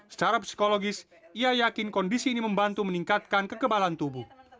secara psikologis ia yakin kondisi ini membantu meningkatkan kekebalan tubuh